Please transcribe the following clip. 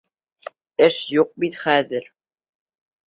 Эш юҡ бит хәҙер.